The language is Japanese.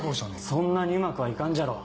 そんなにうまくは行かんじゃろ。